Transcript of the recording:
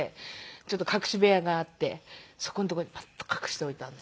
ちょっと隠し部屋があってそこの所にパッと隠しておいたんですけど。